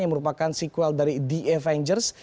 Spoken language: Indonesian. yang merupakan sequel dari the avengers